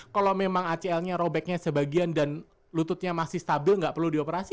kalau memang acl nya robeknya sebagian dan lututnya masih stabil nggak perlu dioperasi